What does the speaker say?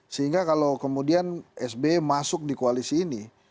sehingga kalau kemudian sb masuk di koalisi ini